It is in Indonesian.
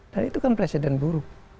dan itu kan presiden buruk